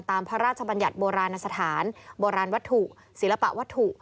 พระราชบัญญัติโบราณสถานโบราณวัตถุศิลปะวัตถุ